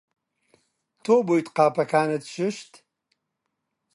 تۆ بوویت قاپەکانت شوشت؟